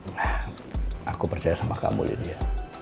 nah aku percaya sama kamu lydia